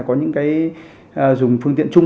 có những cái dùng phương tiện chung